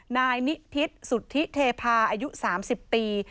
นายนิทิศสุธิเทพาอายุ๓๐ปี